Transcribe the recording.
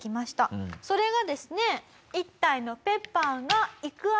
それがですね。